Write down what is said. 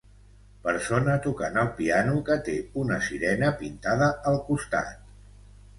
Persona tocant el piano que té una sirena pintada al costat.